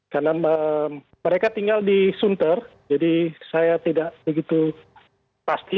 karena mereka tinggal di sunter jadi saya tidak begitu pasti